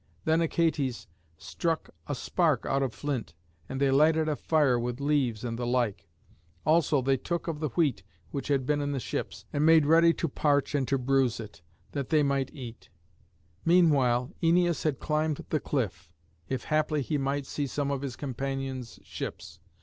Then Achates struck a spark out of flint, and they lighted a fire with leaves and the like; also they took of the wheat which had been in the ships, and made ready to parch and to bruise it, that they might eat. Meanwhile Æneas had climbed the cliff, if haply he might see some of his companions' ships.